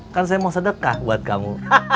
kan saya mau sedekah buat kamu